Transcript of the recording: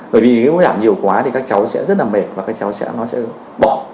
bởi vì nếu giảm nhiều quá thì các cháu sẽ rất là mệt và các cháu nó sẽ bỏ